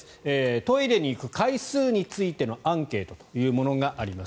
トイレに行く回数についてのアンケートというものがあります。